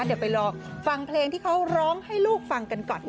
เดี๋ยวไปรอฟังเพลงที่เขาร้องให้ลูกฟังกันก่อน